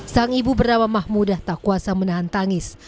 sang ibu bernama mahmudah tak kuasa menahan tangis